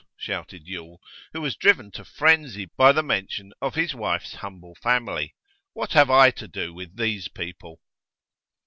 shouted Yule, who was driven to frenzy by the mention of his wife's humble family. 'What have I to do with these people?